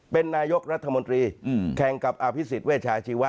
เป็นนายกรัฐมนตรีแข่งกับอภิษฎเวชาชีวะ